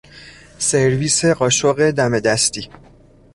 سرویس قاشق دم دستی